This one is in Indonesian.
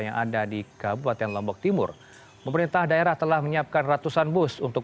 yang ada di kabupaten lombok timur pemerintah daerah telah menyiapkan ratusan bus untuk